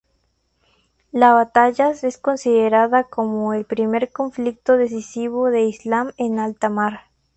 La batalla es considerada como ""el primer conflicto decisivo del Islam en alta mar.